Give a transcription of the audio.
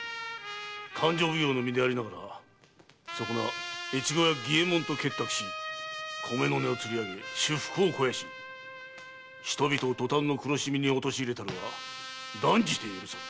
勘定奉行の身でありながらそこな越後屋儀右衛門と結託し米の値をつり上げ私腹を肥やし人々を塗炭の苦しみに陥れたるは断じて許せん！